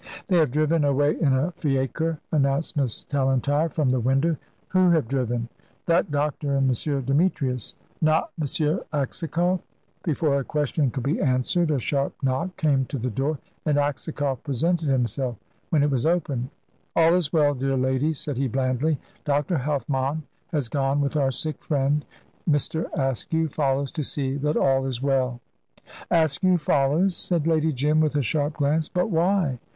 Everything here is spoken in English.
"They have driven away in a fiacre," announced Miss Tallentire, from the window. "Who have driven?" "That doctor and M. Demetrius." "Not M. Aksakoff?" Before her question could be answered a sharp knock came to the door, and Aksakoff presented himself when it was opened. "All is well, dear ladies," said he, blandly. "Dr. Helfmann has gone with our sick friend. Mr. Askew follows to see that all is well." "Askew follows?" said Lady Jim, with a sharp glance; "but why